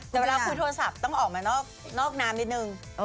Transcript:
แต่เวลาคุยโทรศัพท์ต้องออกมานอกน้ำนิดนึง